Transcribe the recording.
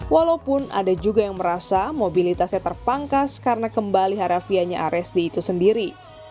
walaupun ada juga yang merasa mobilitasnya terpangkas karena kembali harafianya ares itu sendiri